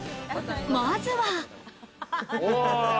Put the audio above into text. まずは。